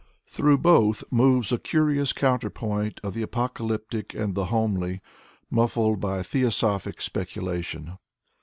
Through both moves a curious counterpoint of the apocalyptic and the homely, muffled by theosophic speculation.